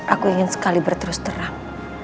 aku ingin sekali berterus terang